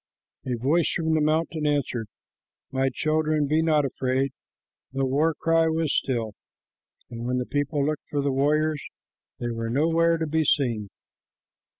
A voice from the mountain answered, "My children, be not afraid." The war cry was still, and when the people looked, for the warriors, they were nowhere to be seen.